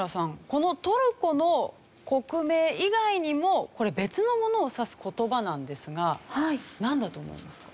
このトルコの国名以外にもこれ別のものを指す言葉なんですがなんだと思いますか？